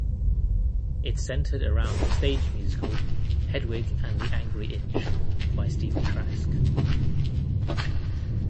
It centered around the stage musical "Hedwig and the Angry Inch" by Stephen Trask.